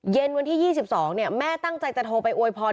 เย็นวันที่๒๒แม่ตั้งใจจะโทรไปอวยพร